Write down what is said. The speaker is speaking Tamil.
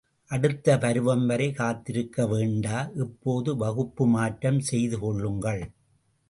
அடுத்த பருவம் வரை காத்திருக்க வேண்டா, இப்போதே வகுப்பு மாற்றம் செய்து கொள்ளுங்கள்.